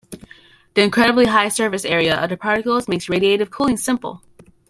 The incredibly high surface area of the particles makes radiative cooling simple.